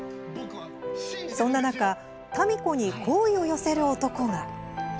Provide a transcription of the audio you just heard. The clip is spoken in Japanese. そんな中民子に好意を寄せる男が。